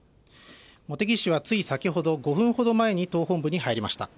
茂木氏はつい先ほど５分ほど前に党本部に入りました。